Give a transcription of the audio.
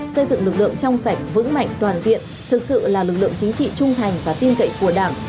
xây dựng lực lượng trong sạch vững mạnh toàn diện thực sự là lực lượng chính trị trung thành và tin cậy của đảng